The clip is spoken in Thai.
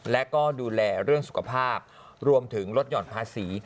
และก็ดูแลเรื่องสุขภาพรวมถึงลดหย่อนภาษี